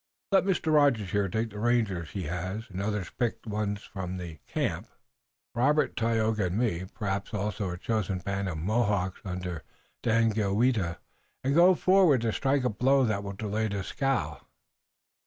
Let Mr. Rogers here take the rangers he has, other picked ones from the camp, Robert, Tayoga and me, perhaps also a chosen band of Mohawks under Daganoweda, and go forward to strike a blow that will delay Dieskau."